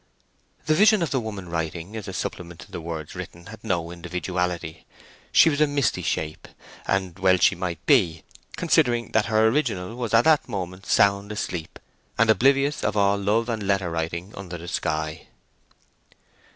The vision of the woman writing, as a supplement to the words written, had no individuality. She was a misty shape, and well she might be, considering that her original was at that moment sound asleep and oblivious of all love and letter writing under the sky.